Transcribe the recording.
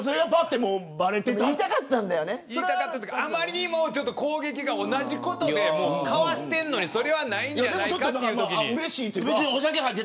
言いたかったというかあまりにも攻撃が同じことでかわしているのにそれはないんじゃないかって。